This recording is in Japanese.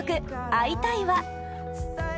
「会いたいわ」